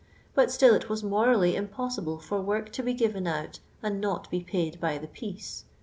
But siill it was morally impossible for work to be i;ivcu out and not be paid by the piece.